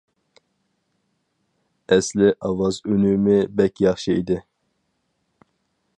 ئەسلى ئاۋاز ئۈنۈمى بەك ياخشى ئىدى.